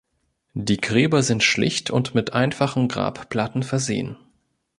Die Gräber sind schlicht und mit einfachen Grabplatten versehen.